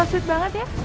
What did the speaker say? so sweet banget ya